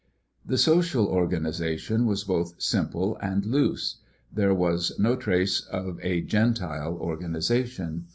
The social organization was both simple and loose. There was no trace of a gentile organization.